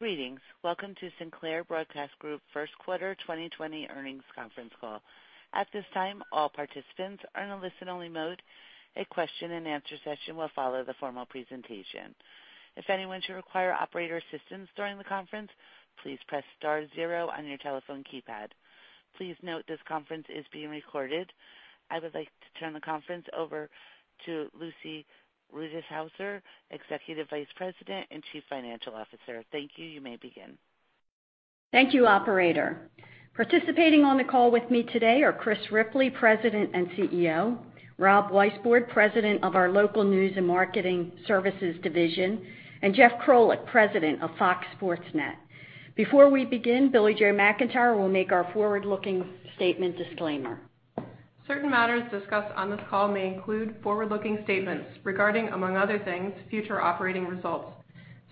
Greetings. Welcome to Sinclair Broadcast Group first quarter 2020 earnings conference call. At this time, all participants are in a listen-only mode. A question and answer session will follow the formal presentation. If anyone should require operator assistance during the conference, please press star zero on your telephone keypad. Please note this conference is being recorded. I would like to turn the conference over to Lucy Rutishauser, Executive Vice President and Chief Financial Officer. Thank you. You may begin. Thank you, operator. Participating on the call with me today are Chris Ripley, President and CEO, Rob Weisbord, President of our Local News & Marketing Services Division, and Jeff Krolik, President of FOX Sports Net. Before we begin, Billie-Jo McIntire will make our forward-looking statement disclaimer. Certain matters discussed on this call may include forward-looking statements regarding, among other things, future operating results.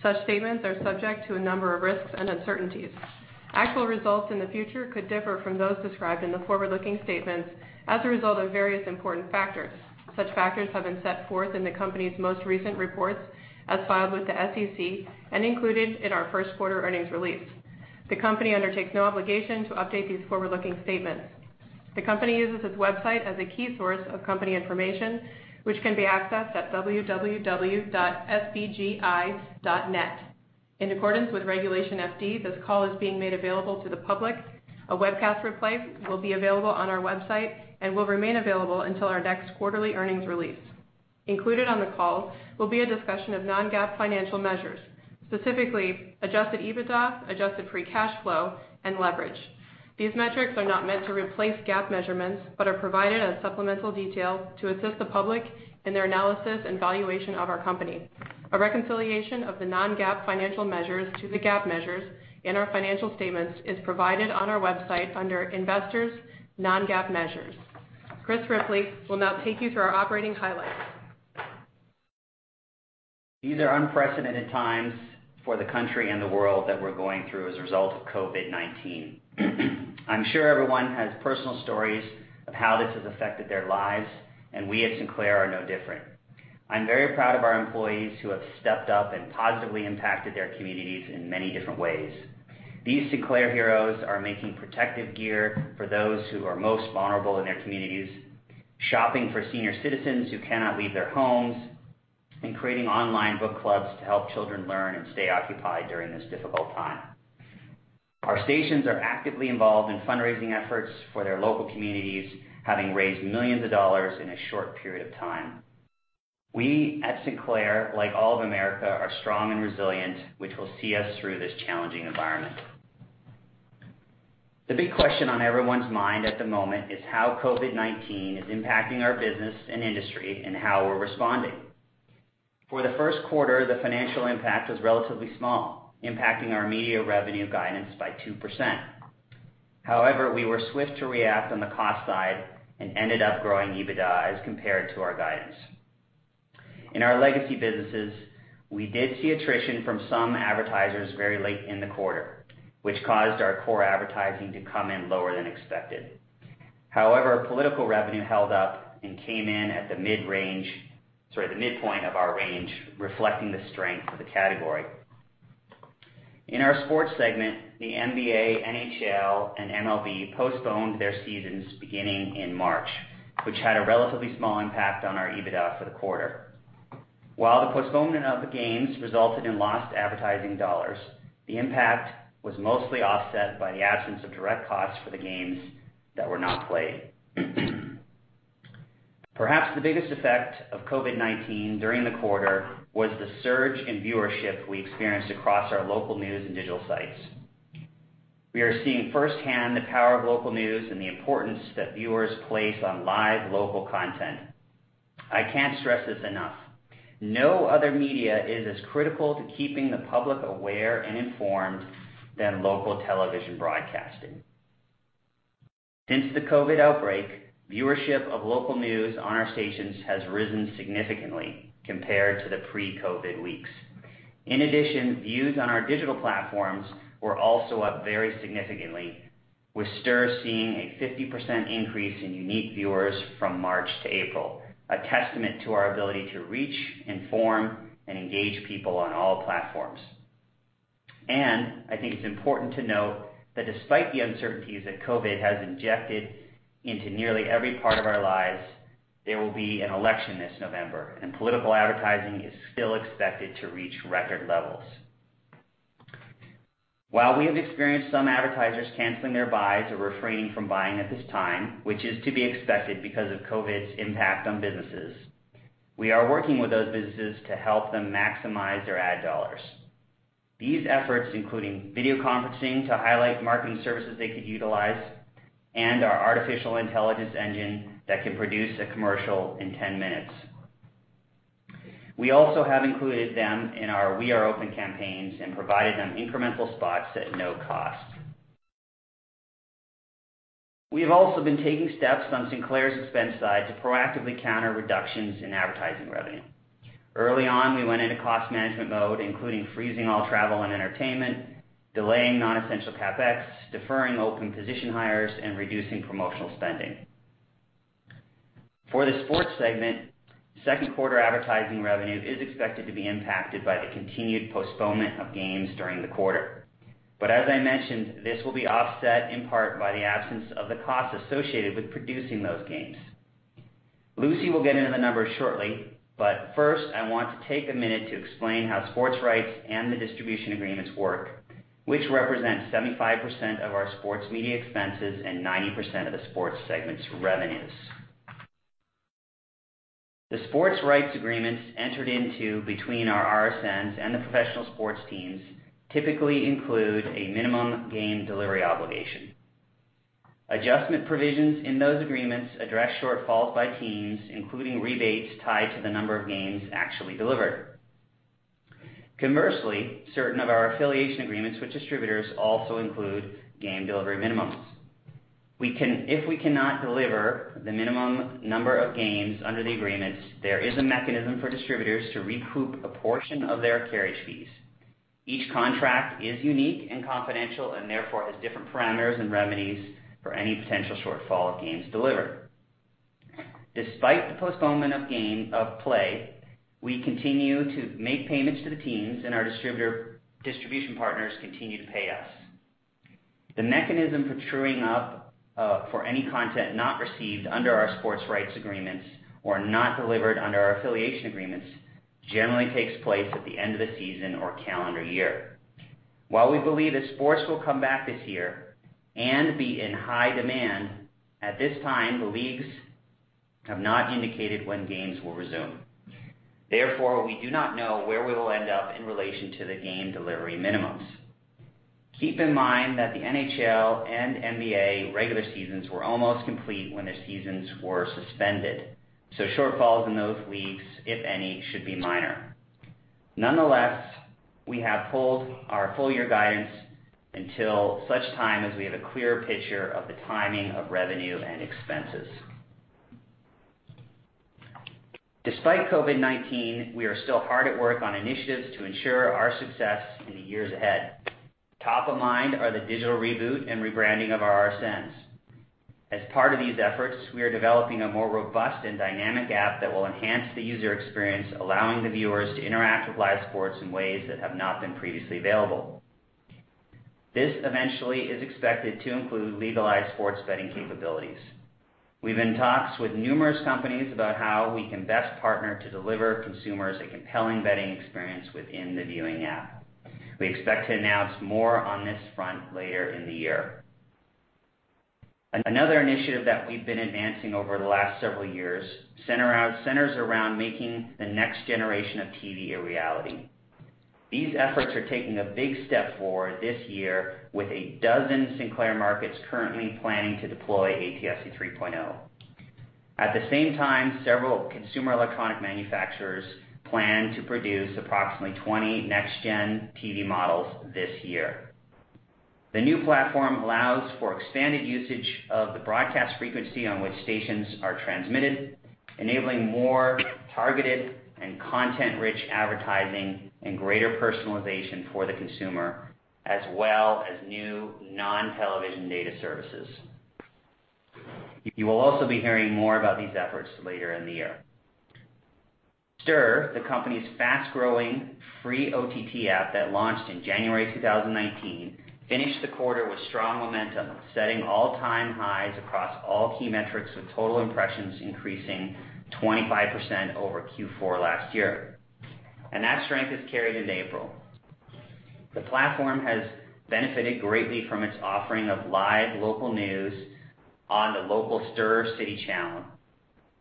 Such statements are subject to a number of risks and uncertainties. Actual results in the future could differ from those described in the forward-looking statements as a result of various important factors. Such factors have been set forth in the company's most recent reports as filed with the SEC and included in our first quarter earnings release. The company undertakes no obligation to update these forward-looking statements. The company uses its website as a key source of company information, which can be accessed at www.sbgi.net. In accordance with Regulation FD, this call is being made available to the public. A webcast replay will be available on our website and will remain available until our next quarterly earnings release. Included on the call will be a discussion of non-GAAP financial measures, specifically adjusted EBITDA, adjusted free cash flow and leverage. These metrics are not meant to replace GAAP measurements, but are provided as supplemental detail to assist the public in their analysis and valuation of our company. A reconciliation of the non-GAAP financial measures to the GAAP measures in our financial statements is provided on our website under Investors, Non-GAAP Measures. Chris Ripley will now take you through our operating highlights. These are unprecedented times for the country and the world that we're going through as a result of COVID-19. I'm sure everyone has personal stories of how this has affected their lives, and we at Sinclair are no different. I'm very proud of our employees who have stepped up and positively impacted their communities in many different ways. These Sinclair heroes are making protective gear for those who are most vulnerable in their communities, shopping for senior citizens who cannot leave their homes, and creating online book clubs to help children learn and stay occupied during this difficult time. Our stations are actively involved in fundraising efforts for their local communities, having raised millions of dollars in a short period of time. We at Sinclair, like all of America, are strong and resilient, which will see us through this challenging environment. The big question on everyone's mind at the moment is how COVID-19 is impacting our business and industry, and how we're responding. For the first quarter, the financial impact was relatively small, impacting our media revenue guidance by 2%. We were swift to react on the cost side and ended up growing EBITDA as compared to our guidance. In our legacy businesses, we did see attrition from some advertisers very late in the quarter, which caused our core advertising to come in lower than expected. Political revenue held up and came in at the mid-point of our range, reflecting the strength of the category. In our sports segment, the NBA, NHL and MLB postponed their seasons beginning in March, which had a relatively small impact on our EBITDA for the quarter. While the postponement of the games resulted in lost advertising dollars, the impact was mostly offset by the absence of direct costs for the games that were not played. Perhaps the biggest effect of COVID-19 during the quarter was the surge in viewership we experienced across our local news and digital sites. We are seeing firsthand the power of local news and the importance that viewers place on live local content. I can't stress this enough. No other media is as critical to keeping the public aware and informed than local television broadcasting. Since the COVID outbreak, viewership of local news on our stations has risen significantly compared to the pre-COVID weeks. Views on our digital platforms were also up very significantly with STIRR seeing a 50% increase in unique viewers from March to April, a testament to our ability to reach, inform, and engage people on all platforms. I think it's important to note that despite the uncertainties that COVID has injected into nearly every part of our lives, there will be an election this November, and political advertising is still expected to reach record levels. While we have experienced some advertisers canceling their buys or refraining from buying at this time, which is to be expected because of COVID's impact on businesses, we are working with those businesses to help them maximize their ad dollars. These efforts including video conferencing to highlight marketing services they could utilize and our artificial intelligence engine that can produce a commercial in 10 minutes. We also have included them in our We Are Open campaigns and provided them incremental spots at no cost. We have also been taking steps on Sinclair's expense side to proactively counter reductions in advertising revenue. Early on, we went into cost management mode, including freezing all travel and entertainment, delaying non-essential CapEx, deferring open position hires, and reducing promotional spending. For the sports segment, second quarter advertising revenue is expected to be impacted by the continued postponement of games during the quarter. As I mentioned, this will be offset in part by the absence of the costs associated with producing those games. Lucy will get into the numbers shortly, but first, I want to take a minute to explain how sports rights and the distribution agreements work, which represent 75% of our sports media expenses and 90% of the sports segment's revenues. The sports rights agreements entered into between our RSNs and the professional sports teams typically include a minimum game delivery obligation. Adjustment provisions in those agreements address shortfalls by teams, including rebates tied to the number of games actually delivered. Conversely, certain of our affiliation agreements with distributors also include game delivery minimums. If we cannot deliver the minimum number of games under the agreements, there is a mechanism for distributors to recoup a portion of their carriage fees. Each contract is unique and confidential and therefore has different parameters and remedies for any potential shortfall of games delivered. Despite the postponement of play, we continue to make payments to the teams and our distribution partners continue to pay us. The mechanism for truing up for any content not received under our sports rights agreements or not delivered under our affiliation agreements generally takes place at the end of the season or calendar year. While we believe that sports will come back this year and be in high demand, at this time, the leagues have not indicated when games will resume. Therefore, we do not know where we will end up in relation to the game delivery minimums. Keep in mind that the NHL and NBA regular seasons were almost complete when the seasons were suspended, so shortfalls in those leagues, if any, should be minor. Nonetheless, we have pulled our full year guidance until such time as we have a clearer picture of the timing of revenue and expenses. Despite COVID-19, we are still hard at work on initiatives to ensure our success in the years ahead. Top of mind are the digital reboot and rebranding of our RSNs. As part of these efforts, we are developing a more robust and dynamic app that will enhance the user experience, allowing the viewers to interact with live sports in ways that have not been previously available. This eventually is expected to include legalized sports betting capabilities. We're in talks with numerous companies about how we can best partner to deliver consumers a compelling betting experience within the viewing app. We expect to announce more on this front later in the year. Another initiative that we've been advancing over the last several years centers around making the next generation of TV a reality. These efforts are taking a big step forward this year with a dozen Sinclair markets currently planning to deploy ATSC 3.0. At the same time, several consumer electronic manufacturers plan to produce approximately 20 next gen TV models this year. The new platform allows for expanded usage of the broadcast frequency on which stations are transmitted, enabling more targeted and content-rich advertising and greater personalization for the consumer, as well as new non-television data services. You will also be hearing more about these efforts later in the year. STIRR, the company's fast-growing free OTT app that launched in January 2019, finished the quarter with strong momentum, setting all-time highs across all key metrics, with total impressions increasing 25% over Q4 last year. That strength has carried into April. The platform has benefited greatly from its offering of live local news on the local STIRR City channel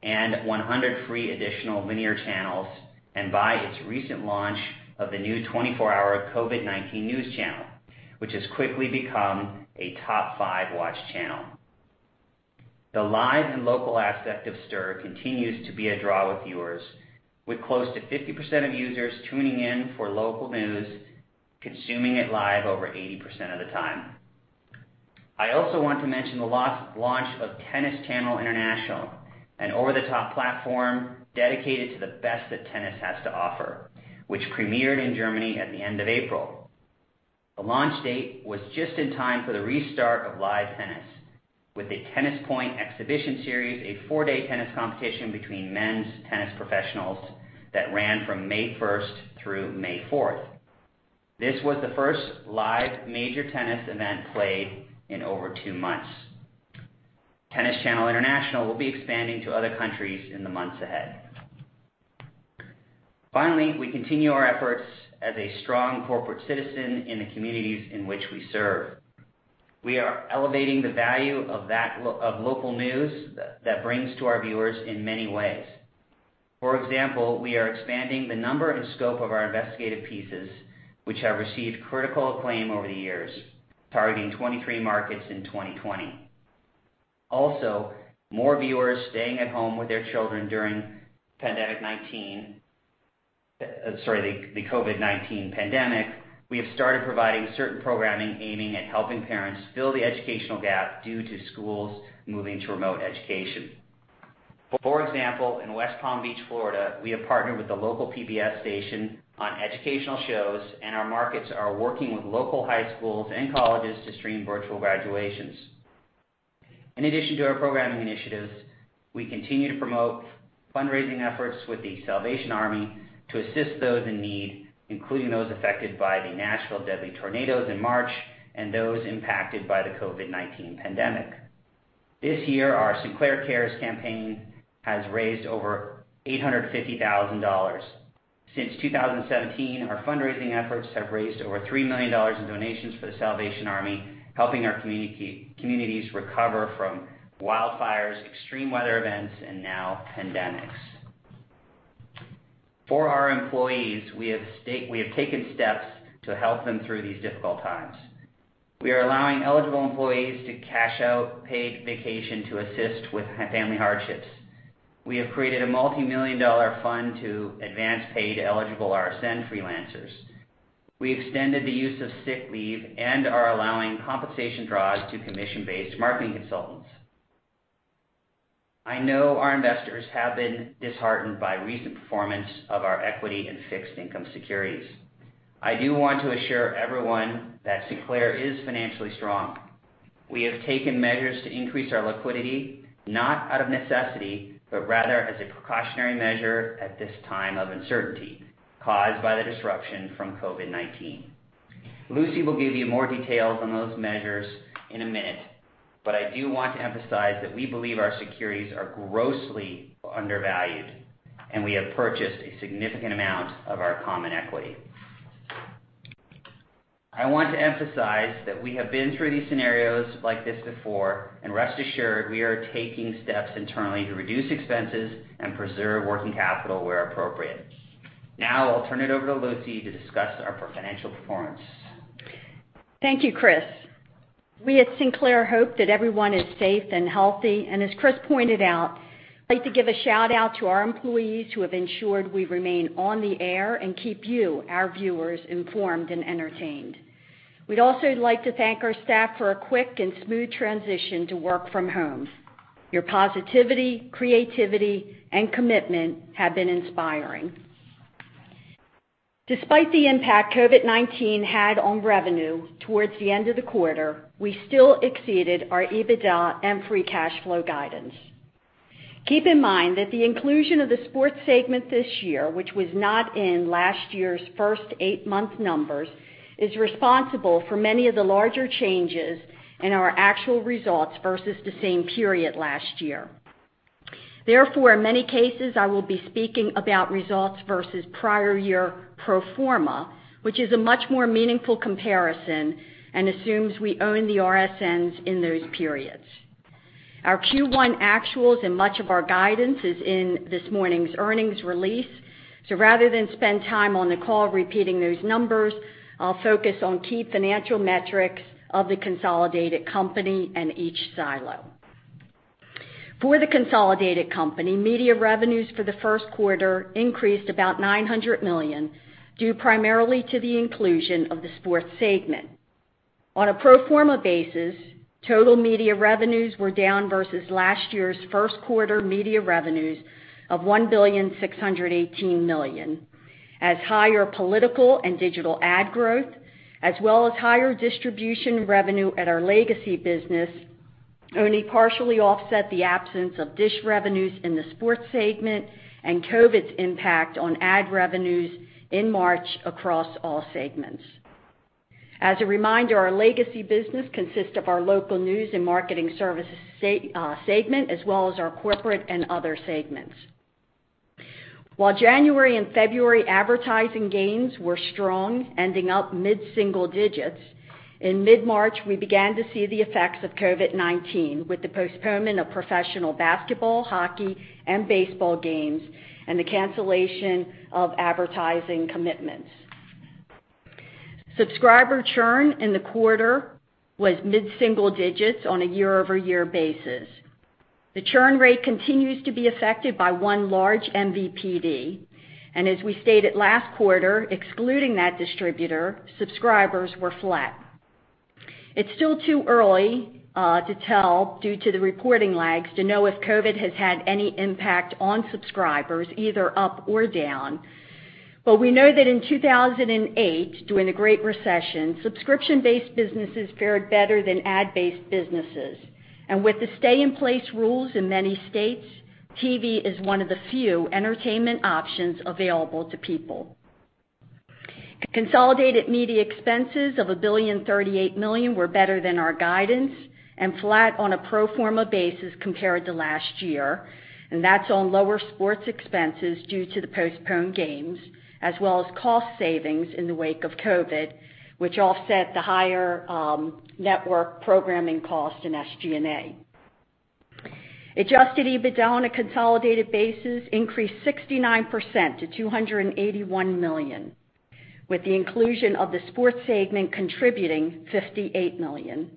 and 100 free additional linear channels, and by its recent launch of the new 24-hour COVID-19 news channel, which has quickly become a top five watched channel. The live and local aspect of STIRR continues to be a draw with viewers, with close to 50% of users tuning in for local news, consuming it live over 80% of the time. I also want to mention the launch of Tennis Channel International, an over-the-top platform dedicated to the best that tennis has to offer, which premiered in Germany at the end of April. The launch date was just in time for the restart of live tennis with the Tennis Point Exhibition Series, a four-day tennis competition between men's tennis professionals that ran from May 1st through May 4th. This was the first live major tennis event played in over two months. Tennis Channel International will be expanding to other countries in the months ahead. We continue our efforts as a strong corporate citizen in the communities in which we serve. We are elevating the value of local news that brings to our viewers in many ways. We are expanding the number and scope of our investigative pieces, which have received critical acclaim over the years, targeting 23 markets in 2020. More viewers staying at home with their children during the COVID-19 pandemic, we have started providing certain programming aiming at helping parents fill the educational gap due to schools moving to remote education. For example, in West Palm Beach, Florida, we have partnered with the local PBS station on educational shows, and our markets are working with local high schools and colleges to stream virtual graduations. In addition to our programming initiatives, we continue to promote fundraising efforts with The Salvation Army to assist those in need, including those affected by the Nashville deadly tornadoes in March and those impacted by the COVID-19 pandemic. This year, our Sinclair Cares campaign has raised over $850,000. Since 2017, our fundraising efforts have raised over $3 million in donations for The Salvation Army, helping our communities recover from wildfires, extreme weather events, and now pandemics. For our employees, we have taken steps to help them through these difficult times. We are allowing eligible employees to cash out paid vacation to assist with family hardships. We have created a multimillion-dollar fund to advance pay to eligible RSN freelancers. We extended the use of sick leave and are allowing compensation draws to commission-based marketing consultants. I know our investors have been disheartened by recent performance of our equity and fixed income securities. I do want to assure everyone that Sinclair is financially strong. We have taken measures to increase our liquidity, not out of necessity, but rather as a precautionary measure at this time of uncertainty caused by the disruption from COVID-19. Lucy will give you more details on those measures in a minute, but I do want to emphasize that we believe our securities are grossly undervalued, and we have purchased a significant amount of our common equity. I want to emphasize that we have been through these scenarios like this before, and rest assured, we are taking steps internally to reduce expenses and preserve working capital where appropriate. Now, I'll turn it over to Lucy to discuss our financial performance. Thank you, Chris. We at Sinclair hope that everyone is safe and healthy, and as Chris pointed out, like to give a shout-out to our employees who have ensured we remain on the air and keep you, our viewers, informed and entertained. We'd also like to thank our staff for a quick and smooth transition to work from home. Your positivity, creativity, and commitment have been inspiring. Despite the impact COVID-19 had on revenue towards the end of the quarter, we still exceeded our EBITDA and free cash flow guidance. Keep in mind that the inclusion of the sports segment this year, which was not in last year's first eight month numbers, is responsible for many of the larger changes in our actual results versus the same period last year. In many cases, I will be speaking about results versus prior year pro forma, which is a much more meaningful comparison and assumes we own the RSNs in those periods. Our Q1 actuals and much of our guidance is in this morning's earnings release. Rather than spend time on the call repeating those numbers, I'll focus on key financial metrics of the consolidated company and each silo. For the consolidated company, media revenues for the first quarter increased about $900 million due primarily to the inclusion of the sports segment. On a pro forma basis, total media revenues were down versus last year's first quarter media revenues of $1.618 billion as higher political and digital ad growth, as well as higher distribution revenue at our legacy business only partially offset the absence of DISH revenues in the sports segment and COVID's impact on ad revenues in March across all segments. As a reminder, our legacy business consists of our Local News & Marketing Services segment, as well as our corporate and other segments. While January and February advertising gains were strong, ending up mid-single digits, in mid-March, we began to see the effects of COVID-19 with the postponement of professional basketball, hockey, and baseball games, and the cancellation of advertising commitments. Subscriber churn in the quarter was mid-single digits on a year-over-year basis. The churn rate continues to be affected by one large MVPD, and as we stated last quarter, excluding that distributor, subscribers were flat. It's still too early to tell due to the reporting lags to know if COVID has had any impact on subscribers, either up or down. We know that in 2008, during the Great Recession, subscription-based businesses fared better than ad-based businesses. With the stay in place rules in many states, TV is one of the few entertainment options available to people. Consolidated media expenses of $1,038 million were better than our guidance and flat on a pro forma basis compared to last year. That's on lower sports expenses due to the postponed games, as well as cost savings in the wake of COVID, which offset the higher network programming cost in SG&A. Adjusted EBITDA on a consolidated basis increased 69% to $281 million, with the inclusion of the sports segment contributing $58 million.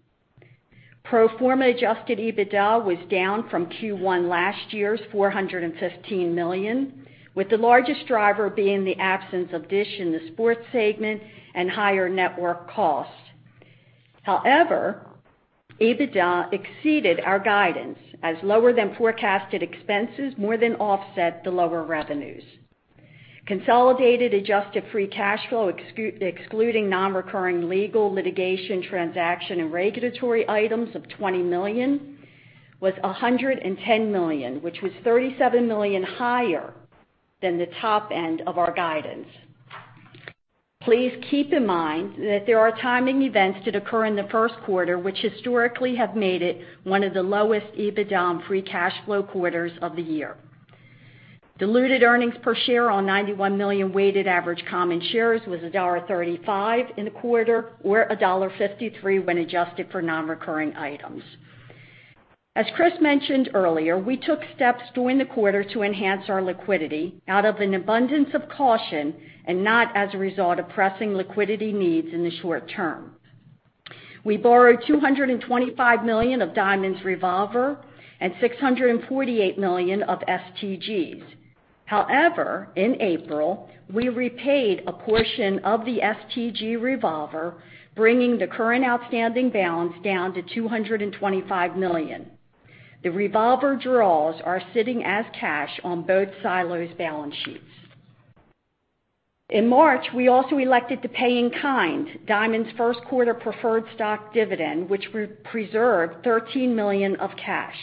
Pro forma adjusted EBITDA was down from Q1 last year's $415 million, with the largest driver being the absence of DISH in the sports segment and higher network costs. EBITDA exceeded our guidance as lower than forecasted expenses more than offset the lower revenues. Consolidated adjusted free cash flow, excluding non-recurring legal, litigation, transaction, and regulatory items of $20 million, was $110 million, which was $37 million higher than the top end of our guidance. Please keep in mind that there are timing events that occur in the first quarter which historically have made it one of the lowest EBITDA and free cash flow quarters of the year. Diluted earnings per share on 91 million weighted average common shares was $1.35 in the quarter or $1.53 when adjusted for non-recurring items. As Chris mentioned earlier, we took steps during the quarter to enhance our liquidity out of an abundance of caution and not as a result of pressing liquidity needs in the short term. We borrowed $225 million of Diamond's revolver and $648 million of STG's. In April, we repaid a portion of the STG revolver, bringing the current outstanding balance down to $225 million. The revolver draws are sitting as cash on both silos' balance sheets. In March, we also elected to pay in kind Diamond's first quarter preferred stock dividend, which preserved $13 million of cash.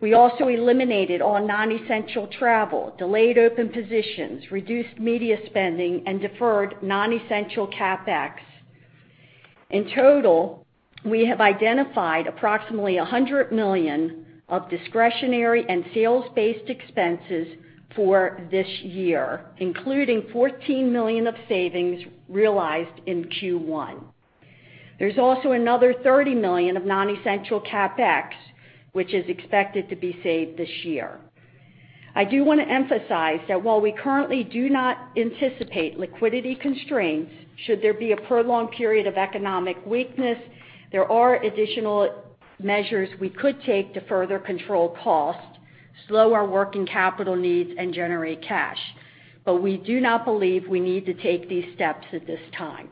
We also eliminated all non-essential travel, delayed open positions, reduced media spending, and deferred non-essential CapEx. In total, we have identified approximately $100 million of discretionary and sales-based expenses for this year, including $14 million of savings realized in Q1. There's also another $30 million of non-essential CapEx, which is expected to be saved this year. I do want to emphasize that while we currently do not anticipate liquidity constraints, should there be a prolonged period of economic weakness, there are additional measures we could take to further control costs, slow our working capital needs, and generate cash. We do not believe we need to take these steps at this time.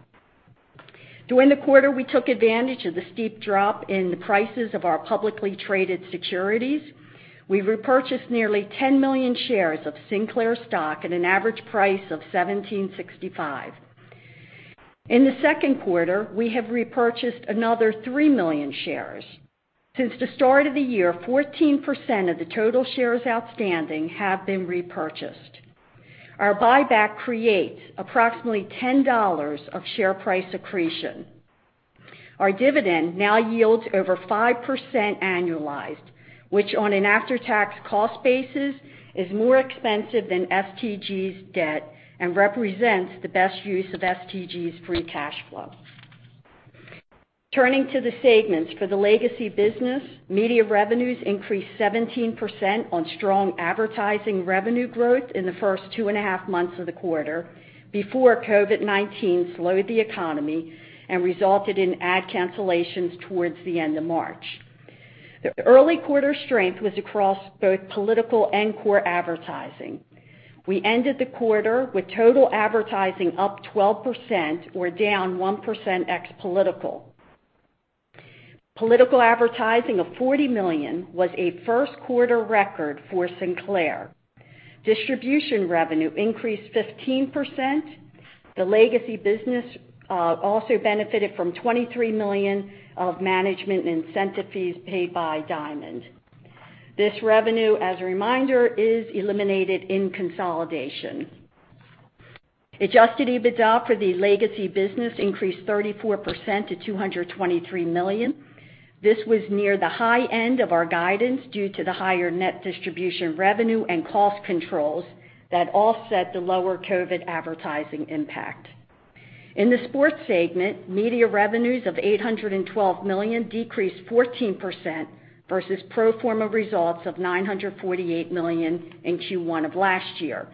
During the quarter, we took advantage of the steep drop in the prices of our publicly traded securities. We repurchased nearly 10 million shares of Sinclair stock at an average price of $17.65. In the second quarter, we have repurchased another 3 million shares. Since the start of the year, 14% of the total shares outstanding have been repurchased. Our buyback creates approximately $10 of share price accretion. Our dividend now yields over 5% annualized, which on an after-tax cost basis, is more expensive than STG's debt and represents the best use of STG's free cash flow. Turning to the segments, for the legacy business, media revenues increased 17% on strong advertising revenue growth in the first two and a half months of the quarter before COVID-19 slowed the economy and resulted in ad cancellations towards the end of March. The early quarter strength was across both political and core advertising. We ended the quarter with total advertising up 12% or down 1% ex political. Political advertising of $40 million was a first-quarter record for Sinclair. Distribution revenue increased 15%. The legacy business also benefited from $23 million of management incentive fees paid by Diamond. This revenue, as a reminder, is eliminated in consolidation. Adjusted EBITDA for the legacy business increased 34% to $223 million. This was near the high end of our guidance due to the higher net distribution revenue and cost controls that offset the lower COVID advertising impact. In the sports segment, media revenues of $812 million decreased 14% versus pro forma results of $948 million in Q1 of last year.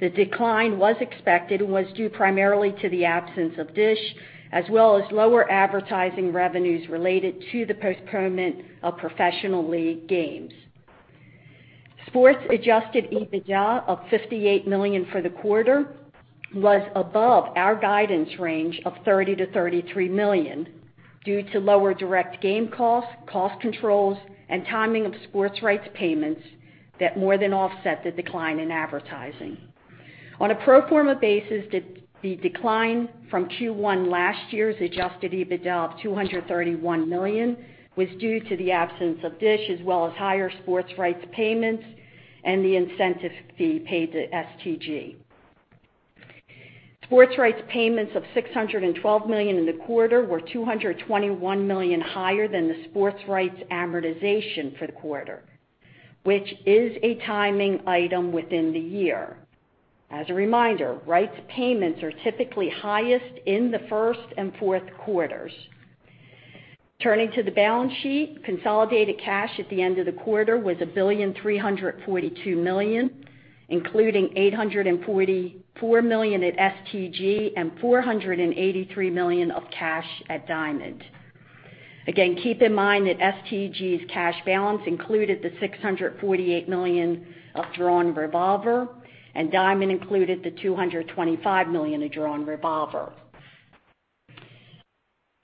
The decline was expected and was due primarily to the absence of DISH, as well as lower advertising revenues related to the postponement of professional league games. Sports adjusted EBITDA of $58 million for the quarter was above our guidance range of $30 million-$33 million due to lower direct game costs, cost controls, and timing of sports rights payments that more than offset the decline in advertising. On a pro forma basis, the decline from Q1 last year's adjusted EBITDA of $231 million was due to the absence of DISH, as well as higher sports rights payments and the incentive fee paid to STG. Sports rights payments of $612 million in the quarter were $221 million higher than the sports rights amortization for the quarter, which is a timing item within the year. As a reminder, rights payments are typically highest in the first and fourth quarters. Turning to the balance sheet, consolidated cash at the end of the quarter was $1,342 million, including $844 million at STG and $483 million of cash at Diamond. Again, keep in mind that STG's cash balance included the $648 million of drawn revolver, and Diamond included the $225 million of drawn revolver.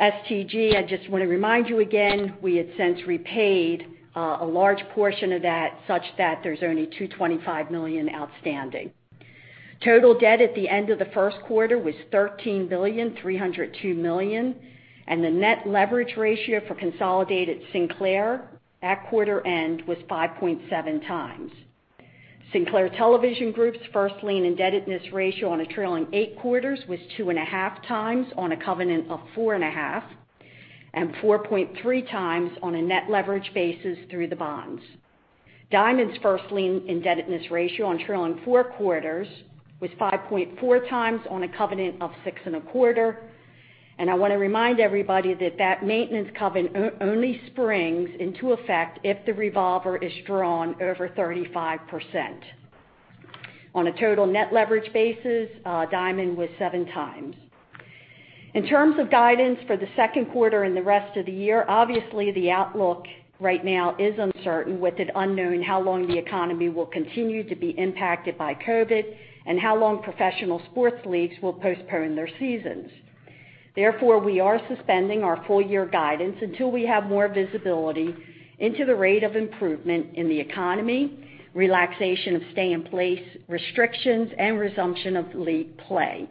STG, I just want to remind you again, we had since repaid a large portion of that such that there's only $225 million outstanding. Total debt at the end of the first quarter was $13.302 billion, and the net leverage ratio for consolidated Sinclair at quarter end was 5.7x. Sinclair Television Group's first lien indebtedness ratio on a trailing eight quarters was 2.5x on a covenant of 4.5x, and 4.3x on a net leverage basis through the bonds. Diamond's first lien indebtedness ratio on trailing four quarters was 5.4x on a covenant of 6.25x. I want to remind everybody that that maintenance covenant only springs into effect if the revolver is drawn over 35%. On a total net leverage basis, Diamond was 7x. In terms of guidance for the second quarter and the rest of the year, obviously, the outlook right now is uncertain with it unknown how long the economy will continue to be impacted by COVID and how long professional sports leagues will postpone their seasons. Therefore, we are suspending our full year guidance until we have more visibility into the rate of improvement in the economy, relaxation of stay in place restrictions, and resumption of league play.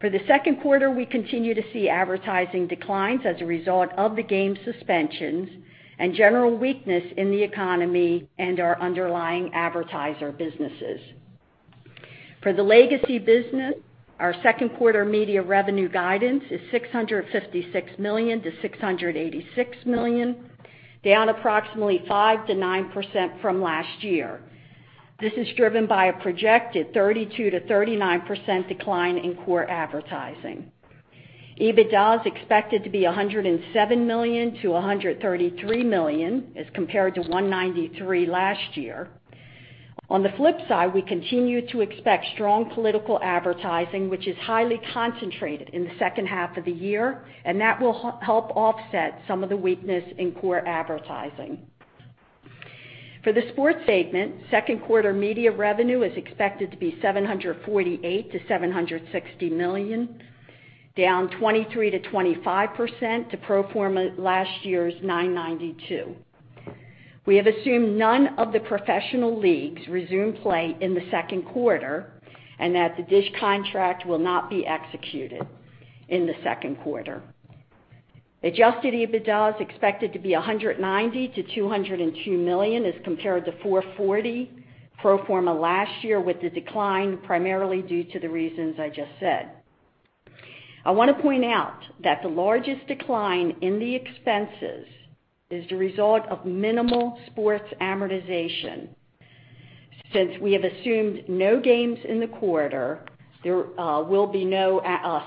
For the second quarter, we continue to see advertising declines as a result of the game suspensions and general weakness in the economy and our underlying advertiser businesses. For the legacy business, our second quarter media revenue guidance is $656 million-$686 million, down approximately 5%-9% from last year. This is driven by a projected 32%-39% decline in core advertising. EBITDA is expected to be $107 million-$133 million as compared to $193 million last year. On the flip side, we continue to expect strong political advertising, which is highly concentrated in the second half of the year, and that will help offset some of the weakness in core advertising. For the sports segment, second quarter media revenue is expected to be $748 million-$760 million, down 23%-25% to pro forma last year's $992 million. We have assumed none of the professional leagues resume play in the second quarter, and that the DISH contract will not be executed in the second quarter. adjusted EBITDA is expected to be $190 million-$202 million as compared to $440 million pro forma last year, with the decline primarily due to the reasons I just said. I want to point out that the largest decline in the expenses is the result of minimal sports amortization. Since we have assumed no games in the quarter, there will be no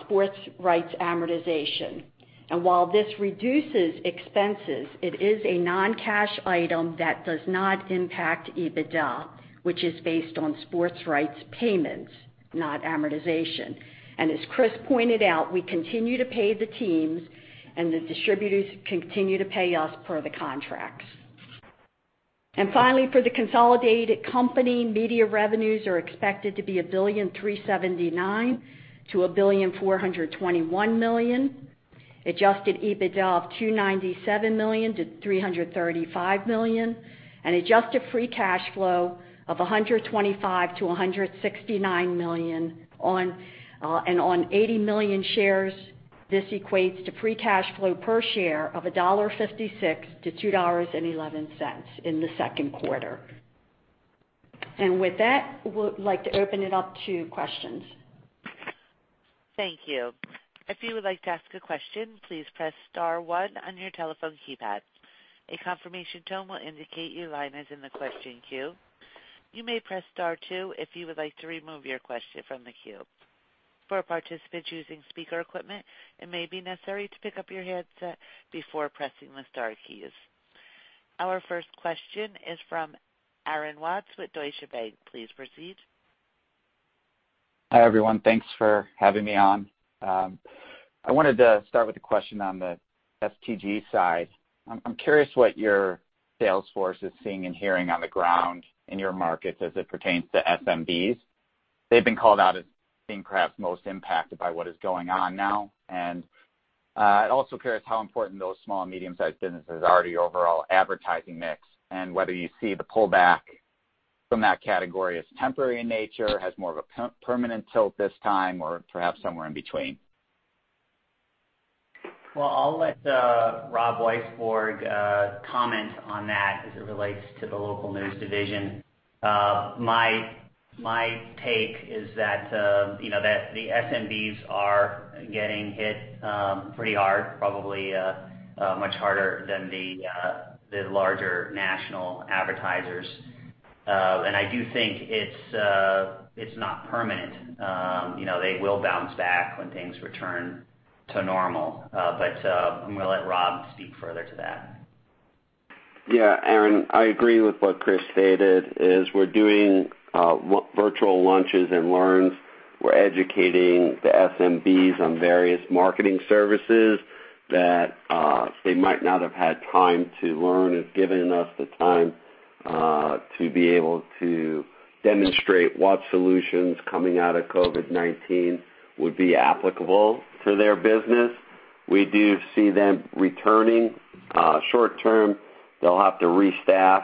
sports rights amortization. While this reduces expenses, it is a non-cash item that does not impact EBITDA, which is based on sports rights payments, not amortization. As Chris pointed out, we continue to pay the teams, and the distributors continue to pay us per the contracts. Finally, for the consolidated company, media revenues are expected to be $1.379 billion-$1.421 billion, adjusted EBITDA of $297 million-$335 million, and adjusted free cash flow of $125 million-$169 million, and on 80 million shares, this equates to free cash flow per share of $1.56-$2.11 in the second quarter. With that, we would like to open it up to questions. Thank you. If you would like to ask a question, please press star one on your telephone keypad. A confirmation tone will indicate your line is in the question queue. You may press star two if you would like to remove your question from the queue. For participants using speaker equipment, it may be necessary to pick up your headset before pressing the star keys. Our first question is from Aaron Watts with Deutsche Bank. Please proceed. Hi, everyone. Thanks for having me on. I wanted to start with a question on the STG side. I'm curious what your sales force is seeing and hearing on the ground in your markets as it pertains to SMBs. They've been called out as being perhaps most impacted by what is going on now. I'm also curious how important those small and medium-sized businesses are to your overall advertising mix and whether you see the pullback from that category as temporary in nature, has more of a permanent tilt this time, or perhaps somewhere in between. Well, I'll let Rob Weisbord comment on that as it relates to the local news division. My take is that the SMBs are getting hit pretty hard, probably much harder than the larger national advertisers. I do think it's not permanent. They will bounce back when things return to normal. I'm going to let Rob speak further to that. Yeah, Aaron, I agree with what Chris stated is we're doing virtual lunches and learns. We're educating the SMBs on various marketing services that they might not have had time to learn has given us the time to be able to demonstrate what solutions coming out of COVID-19 would be applicable to their business. We do see them returning short-term. They'll have to restaff,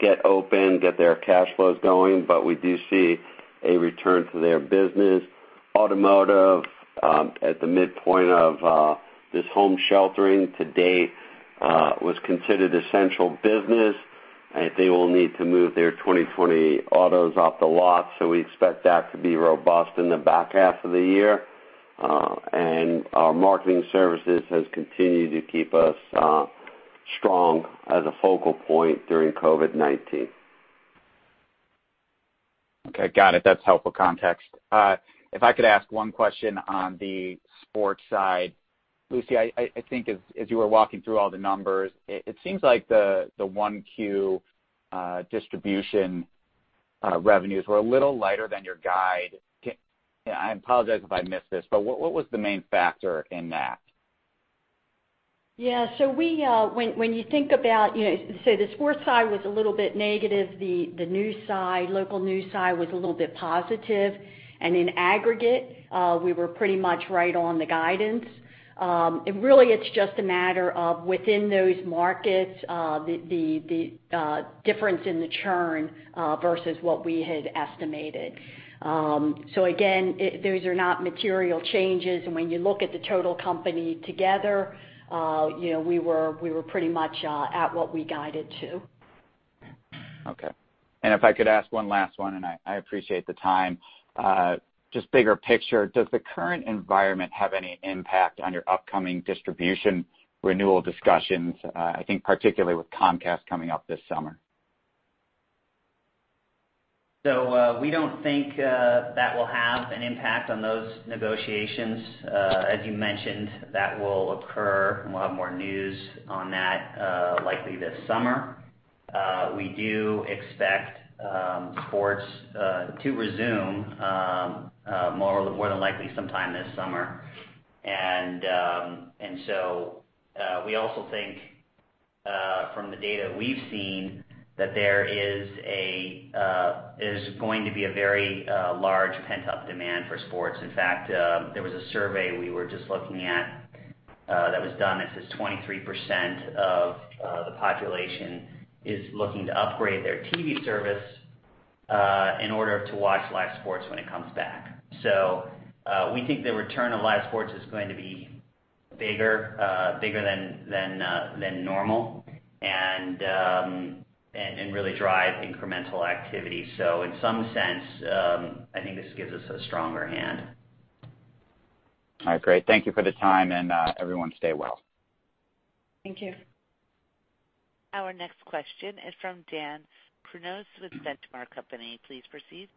get open, get their cash flows going, but we do see a return to their business. Automotive, at the midpoint of this home sheltering to date, was considered essential business, and they will need to move their 2020 autos off the lot. We expect that to be robust in the back half of the year. Our marketing services has continued to keep us strong as a focal point during COVID-19. Okay, got it. That's helpful context. If I could ask one question on the sports side. Lucy, I think as you were walking through all the numbers, it seems like the 1Q distribution revenues were a little lighter than your guide. I apologize if I missed this, but what was the main factor in that? Yeah. When you think about, say the sports side was a little bit negative, the local news side was a little bit positive, and in aggregate, we were pretty much right on the guidance. Really it's just a matter of within those markets, the difference in the churn versus what we had estimated. Again, those are not material changes. When you look at the total company together, we were pretty much at what we guided to. Okay. If I could ask one last one, and I appreciate the time. Just bigger picture, does the current environment have any impact on your upcoming distribution renewal discussions? I think particularly with Comcast coming up this summer. We don't think that will have an impact on those negotiations. As you mentioned, that will occur, and we'll have more news on that likely this summer. We do expect sports to resume more than likely sometime this summer. We also think, from the data we've seen, that there is going to be a very large pent-up demand for sports. In fact, there was a survey we were just looking at that was done that says 23% of the population is looking to upgrade their TV service in order to watch live sports when it comes back. We think the return of live sports is going to be bigger than normal and really drive incremental activity. In some sense, I think this gives us a stronger hand. All right, great. Thank you for the time. Everyone stay well. Thank you. Our next question is from Dan Kurnos with The Benchmark Company. Please proceed.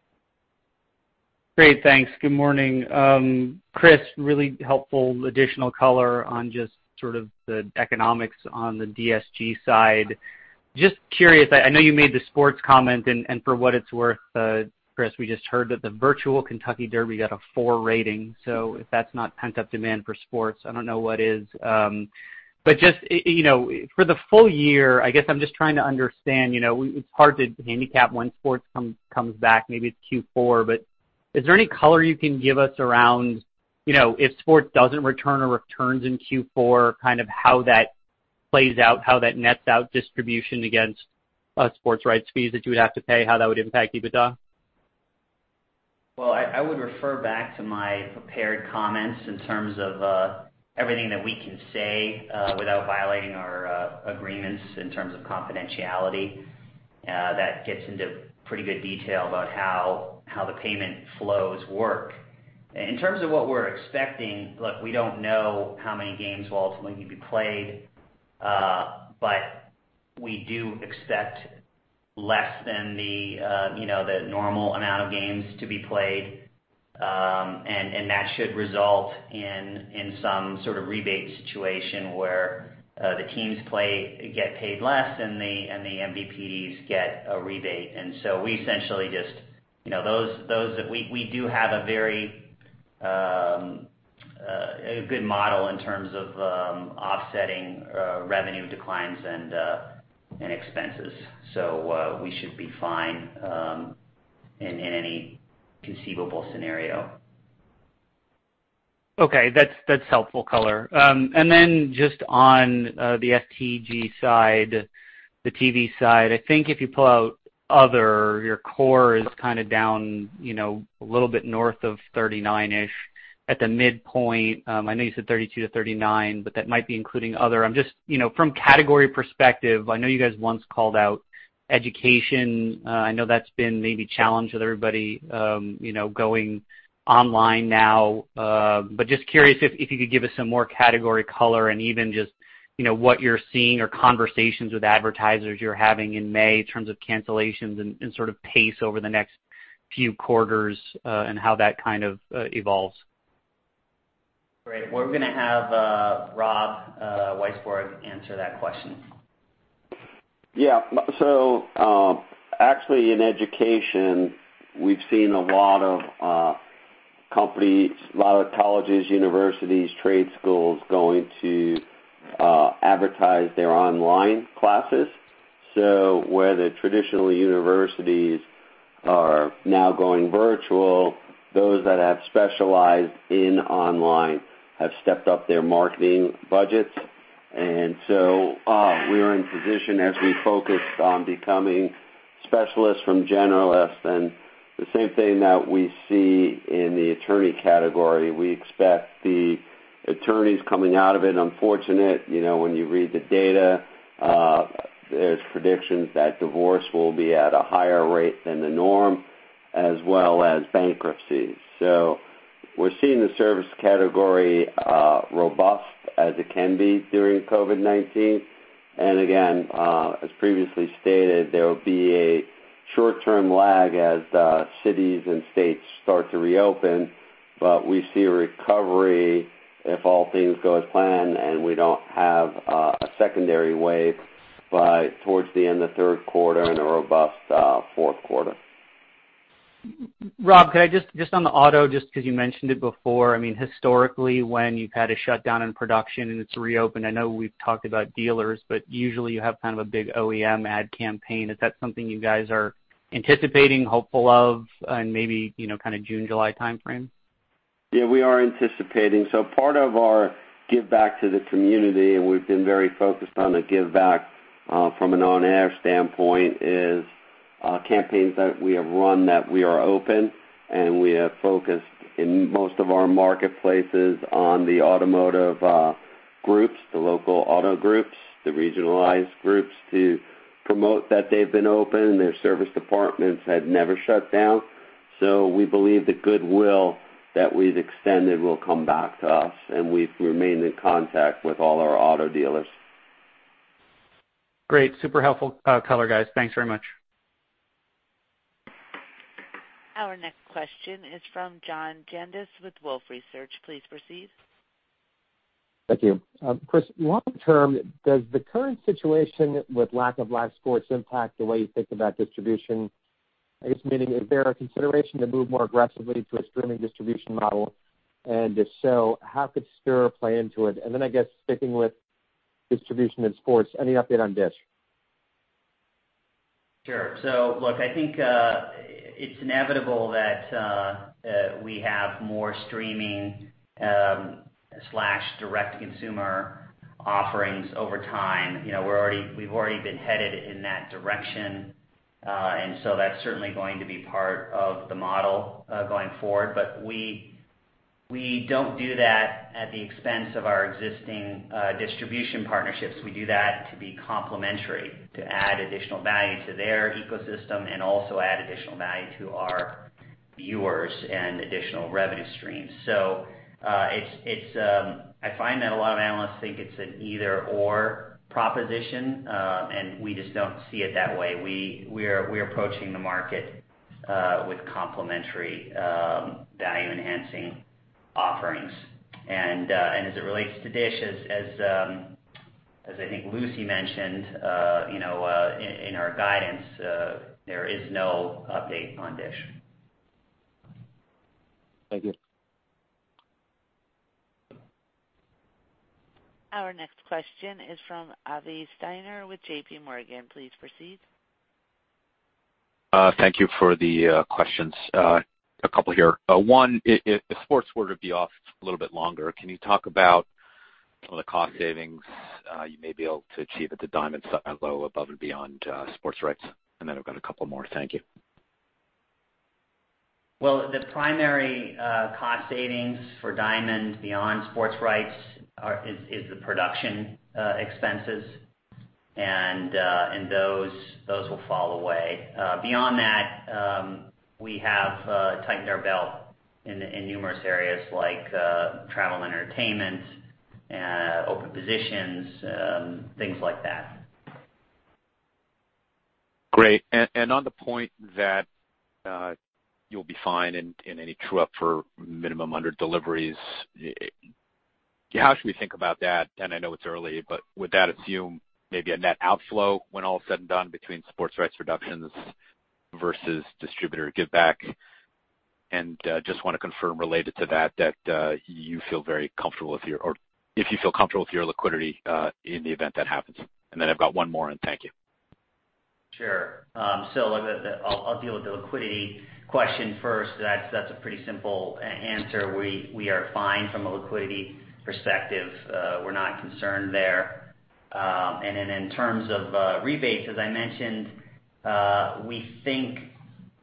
Great, thanks. Good morning. Chris, really helpful additional color on just sort of the economics on the DSG side. Just curious, I know you made the sports comment, and for what it's worth, Chris, we just heard that the virtual Kentucky Derby got a four rating, so if that's not pent-up demand for sports, I don't know what is. Just for the full year, I guess I'm just trying to understand, it's hard to handicap when sports comes back, maybe it's Q4, but is there any color you can give us around if sports doesn't return or returns in Q4, kind of how that plays out, how that nets out distribution against sports rights fees that you would have to pay, how that would impact EBITDA? I would refer back to my prepared comments in terms of everything that we can say without violating our agreements in terms of confidentiality. That gets into pretty good detail about how the payment flows work. In terms of what we're expecting, look, we don't know how many games will ultimately be played. We do expect less than the normal amount of games to be played. That should result in some sort of rebate situation where the teams get paid less and the MVPDs get a rebate. We do have a very good model in terms of offsetting revenue declines and expenses. We should be fine in any conceivable scenario. Okay, that's helpful color. Just on the STG side, the TV side, I think if you pull out other, your core is kind of down a little bit north of 39-ish at the midpoint. I know you said 32 to 39, but that might be including other. From category perspective, I know you guys once called out education. I know that's been maybe challenged with everybody going online now. Just curious if you could give us some more category color and even just what you're seeing or conversations with advertisers you're having in May in terms of cancellations and sort of pace over the next few quarters, and how that kind of evolves. Great. We're going to have Rob Weisbord answer that question. Yeah. Actually, in education, we've seen a lot of companies, a lot of colleges, universities, trade schools going to advertise their online classes. Where the traditional universities are now going virtual, those that have specialized in online have stepped up their marketing budgets. We are in position as we focused on becoming specialists from generalists. The same thing that we see in the attorney category, we expect the attorneys coming out of it unfortunate. When you read the data, there's predictions that divorce will be at a higher rate than the norm, as well as bankruptcies. We're seeing the service category robust as it can be during COVID-19. Again, as previously stated, there will be a short-term lag as cities and states start to reopen, but we see a recovery if all things go as planned and we don't have a secondary wave by towards the end of third quarter and a robust fourth quarter. Rob, could I just on the auto, just because you mentioned it before, historically, when you've had a shutdown in production and it's reopened, I know we've talked about dealers, but usually you have a big OEM ad campaign. Is that something you guys are anticipating, hopeful of in maybe, June, July timeframe? We are anticipating. Part of our give back to the community, and we've been very focused on the give back from an on-air standpoint, is campaigns that we have run that We Are Open, and we have focused in most of our marketplaces on the automotive groups, the local auto groups, the regionalized groups to promote that they've been open. Their service departments had never shut down. We believe the goodwill that we've extended will come back to us, and we've remained in contact with all our auto dealers. Great. Super helpful color, guys. Thanks very much. Our next question is from John Janedis with Wolfe Research. Please proceed. Thank you. Chris, long term, does the current situation with lack of live sports impact the way you think about distribution? I guess, meaning, is there a consideration to move more aggressively to a streaming distribution model? If so, how could STIRR play into it? Then I guess sticking with distribution and sports, any update on DISH? Sure. Look, I think it's inevitable that we have more streaming/direct consumer offerings over time. We've already been headed in that direction. That's certainly going to be part of the model going forward. We don't do that at the expense of our existing distribution partnerships. We do that to be complementary, to add additional value to their ecosystem and also add additional value to our viewers and additional revenue streams. I find that a lot of analysts think it's an either/or proposition, and we just don't see it that way. We're approaching the market with complementary value-enhancing offerings. As it relates to DISH, as I think Lucy mentioned, in our guidance, there is no update on DISH. Thank you. Our next question is from Avi Steiner with JPMorgan. Please proceed. Thank you for the questions. A couple here. One, if sports were to be off a little bit longer, can you talk about some of the cost savings you may be able to achieve at the Diamond below, above, and beyond sports rights? I've got a couple more. Thank you. Well, the primary cost savings for Diamond beyond sports rights is the production expenses. Those will fall away. Beyond that, we have tightened our belt in numerous areas like travel entertainment, open positions, things like that. Great. On the point that you'll be fine in any true-up for minimum under deliveries, how should we think about that? I know it's early, but would that assume maybe a net outflow when all is said and done between sports rights reductions versus distributor give back? Just want to confirm related to that, if you feel comfortable with your liquidity in the event that happens. Then I've got one more, and thank you. Sure. Look, I'll deal with the liquidity question first. That's a pretty simple answer. We are fine from a liquidity perspective. We're not concerned there. Then in terms of rebates, as I mentioned, we think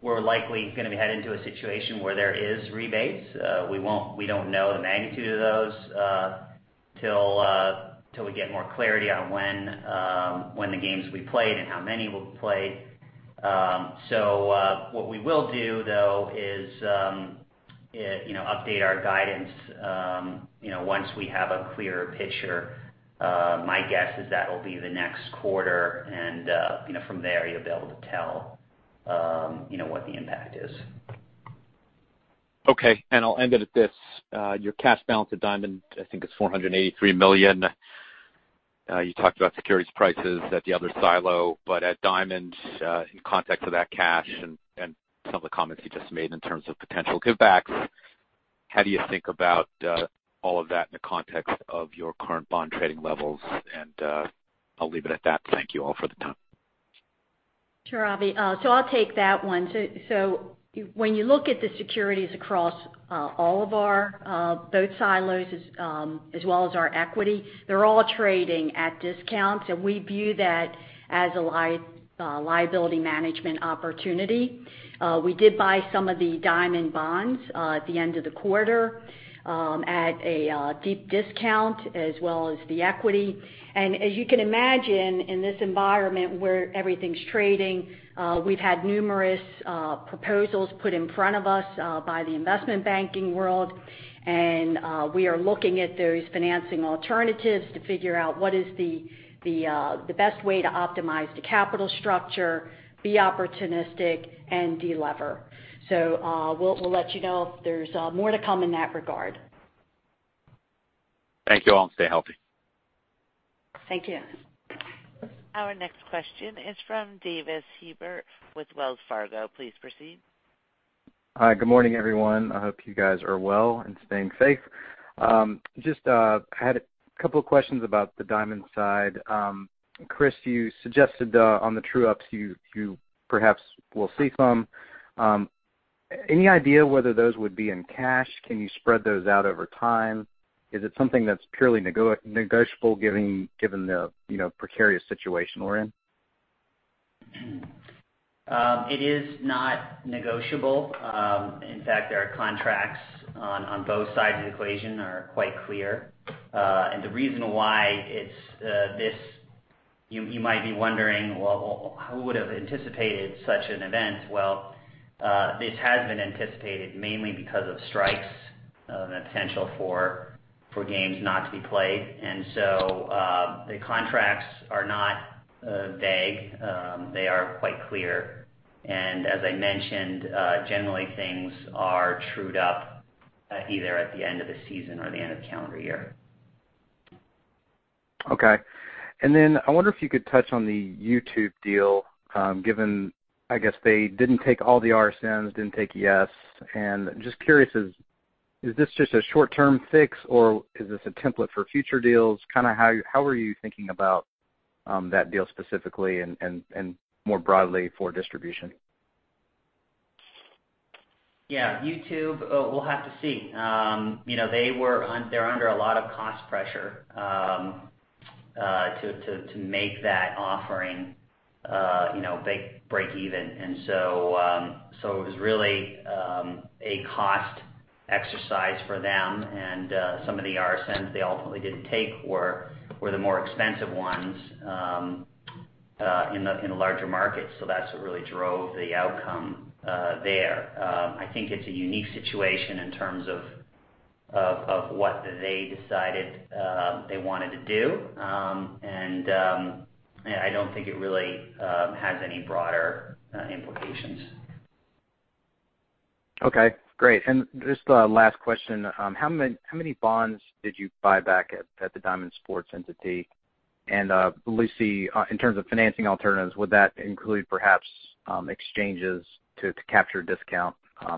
we're likely going to be headed into a situation where there is rebates. We don't know the magnitude of those till we get more clarity on when the games will be played and how many will be played. What we will do, though, is update our guidance once we have a clearer picture. My guess is that'll be the next quarter and from there you'll be able to tell what the impact is. Okay. I'll end it at this. Your cash balance at Diamond, I think it's $483 million. You talked about securities prices at the other silo, but at Diamond, in context of that cash and some of the comments you just made in terms of potential give backs, how do you think about all of that in the context of your current bond trading levels? I'll leave it at that. Thank you all for the time. Sure, Avi. I'll take that one. When you look at the securities across all of our both silos as well as our equity, they're all trading at discounts, and we view that as a liability management opportunity. We did buy some of the Diamond bonds, at the end of the quarter, at a deep discount as well as the equity. As you can imagine in this environment where everything's trading, we've had numerous proposals put in front of us by the investment banking world. We are looking at those financing alternatives to figure out what is the best way to optimize the capital structure, be opportunistic and de-lever. We'll let you know if there's more to come in that regard. Thank you all, and stay healthy. Thank you. Our next question is from Davis Hebert with Wells Fargo. Please proceed. Hi. Good morning, everyone. I hope you guys are well and staying safe. Just had a couple of questions about the Diamond side. Chris, you suggested on the true-ups you perhaps will see some. Any idea whether those would be in cash? Can you spread those out over time? Is it something that's purely negotiable given the precarious situation we're in? It is not negotiable. In fact, our contracts on both sides of the equation are quite clear. The reason why it's this, you might be wondering, well, who would've anticipated such an event? Well, this has been anticipated mainly because of strikes and the potential for games not to be played. The contracts are not vague. They are quite clear. As I mentioned, generally things are trued up, either at the end of the season or the end of calendar year. Okay. Then I wonder if you could touch on the YouTube deal. Given, I guess they didn't take all the RSNs, didn't take YES. Just curious, is this just a short-term fix or is this a template for future deals? How are you thinking about that deal specifically and more broadly for distribution? Yeah. YouTube, we'll have to see. They're under a lot of cost pressure to make that offering breakeven. It was really a cost exercise for them and some of the RSNs they ultimately didn't take were the more expensive ones in the larger markets. That's what really drove the outcome there. I think it's a unique situation in terms of what they decided they wanted to do. I don't think it really has any broader implications. Okay. Great. Just a last question. How many bonds did you buy back at the Diamond Sports entity? Lucy, in terms of financing alternatives, would that include perhaps exchanges to capture discount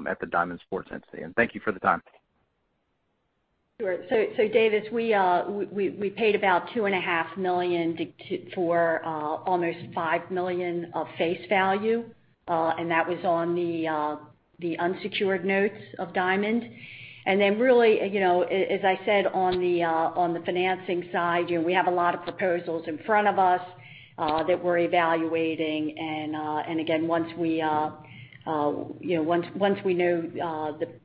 at the Diamond Sports entity? Thank you for the time. Davis, we paid about $2.5 million for almost $5 million of face value. That was on the unsecured notes of Diamond. Then really, as I said on the financing side, we have a lot of proposals in front of us that we're evaluating. Again, once we know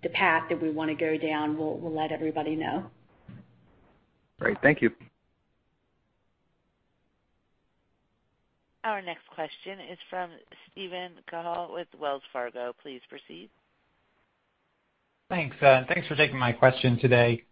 the path that we want to go down, we'll let everybody know. Great. Thank you. Our next question is from Steven Cahall with Wells Fargo. Please proceed. Thanks. Thanks for taking my question today.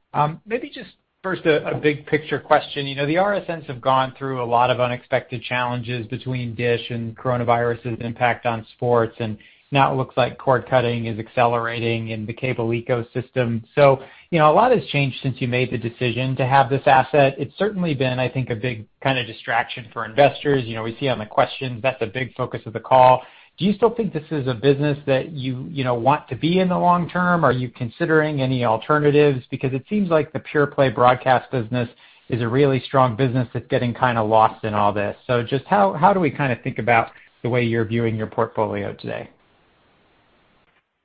Maybe just first a big picture question. The RSNs have gone through a lot of unexpected challenges between DISH and coronavirus's impact on sports, and now it looks like cord cutting is accelerating in the cable ecosystem. A lot has changed since you made the decision to have this asset. It's certainly been, I think, a big distraction for investors. We see on the questions that's a big focus of the call. Do you still think this is a business that you want to be in the long term? Are you considering any alternatives? It seems like the pure play broadcast business is a really strong business that's getting kind of lost in all this. How do we think about the way you're viewing your portfolio today?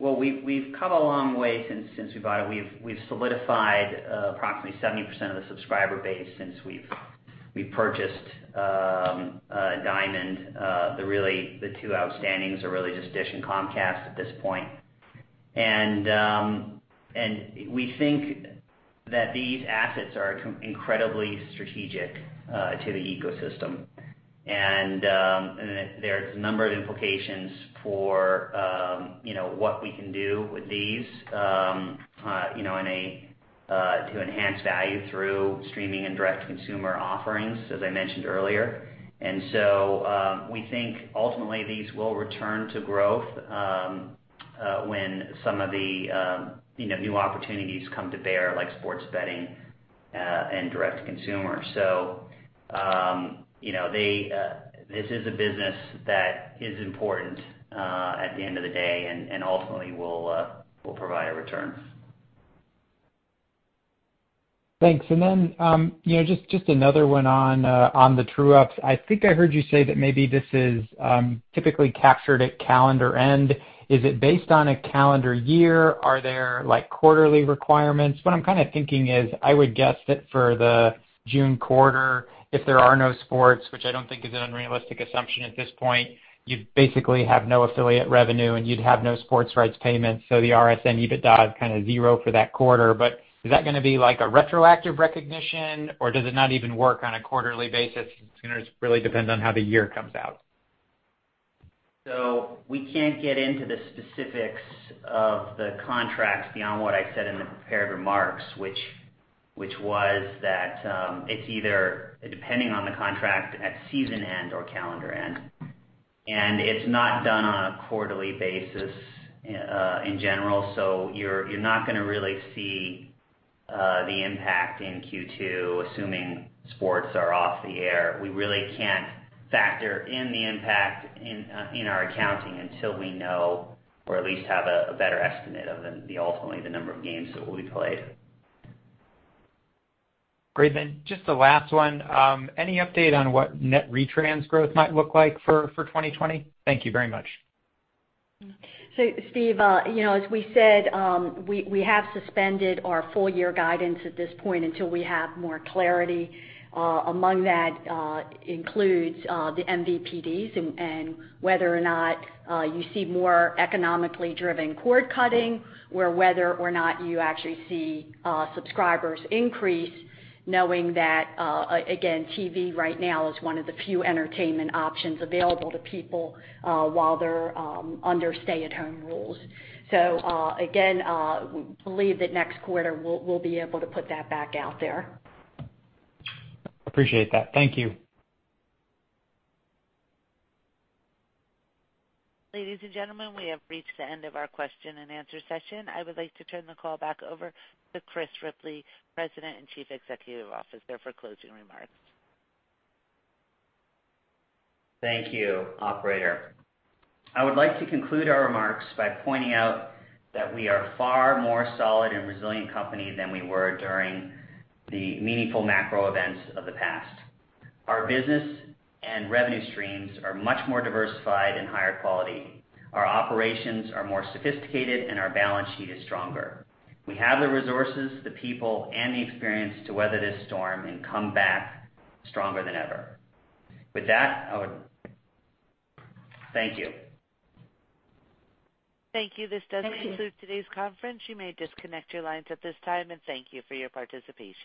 Well, we've come a long way since we bought it. We've solidified approximately 70% of the subscriber base since we've purchased Diamond. The two outstandings are really just DISH and Comcast at this point. We think that these assets are incredibly strategic to the ecosystem. There's a number of implications for what we can do with these. To enhance value through streaming and direct consumer offerings, as I mentioned earlier. We think ultimately these will return to growth when some of the new opportunities come to bear, like sports betting and direct consumer. This is a business that is important at the end of the day and ultimately will provide a return. Thanks. Just another one on the true-ups. I think I heard you say that maybe this is typically captured at calendar end. Is it based on a calendar year? Are there quarterly requirements? What I'm thinking is, I would guess that for the June quarter, if there are no sports, which I don't think is an unrealistic assumption at this point, you'd basically have no affiliate revenue and you'd have no sports rights payments, so the RSN EBITDA is kind of zero for that quarter. Is that going to be a retroactive recognition, or does it not even work on a quarterly basis? It's going to just really depend on how the year comes out. We can't get into the specifics of the contracts beyond what I said in the prepared remarks, which was that it's either, depending on the contract, at season end or calendar end. It's not done on a quarterly basis in general, so you're not going to really see the impact in Q2, assuming sports are off the air. We really can't factor in the impact in our accounting until we know, or at least have a better estimate of ultimately the number of games that will be played. Great. Just the last one. Any update on what net retrans growth might look like for 2020? Thank you very much. Steve, as we said, we have suspended our full year guidance at this point until we have more clarity. Among that includes the MVPDs and whether or not you see more economically driven cord cutting or whether or not you actually see subscribers increase, knowing that, again, TV right now is one of the few entertainment options available to people while they're under stay-at-home rules. Again, we believe that next quarter, we'll be able to put that back out there. Appreciate that. Thank you. Ladies and gentlemen, we have reached the end of our question and answer session. I would like to turn the call back over to Chris Ripley, President and Chief Executive Officer, for closing remarks. Thank you, operator. I would like to conclude our remarks by pointing out that we are far more solid and resilient company than we were during the meaningful macro events of the past. Our business and revenue streams are much more diversified and higher quality. Our operations are more sophisticated and our balance sheet is stronger. We have the resources, the people, and the experience to weather this storm and come back stronger than ever. With that- Thank you. Thank you. This does conclude today's conference. You may disconnect your lines at this time, and thank you for your participation.